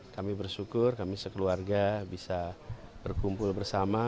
kami bersyukur kami sekeluarga bisa berkumpul bersama